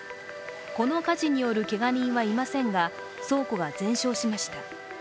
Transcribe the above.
この火事によるけが人はいませんが、倉庫が全焼しました。